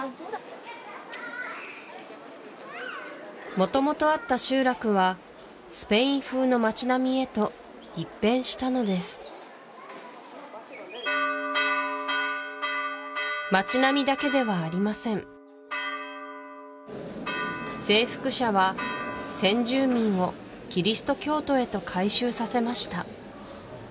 元々あった集落はスペイン風の街並みへと一変したのです街並みだけではありません征服者は先住民をキリスト教徒へと改宗させました